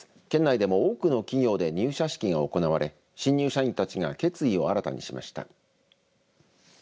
県内でも多くの企業で入社式が行われ新入社員たちが決意を新たにしました。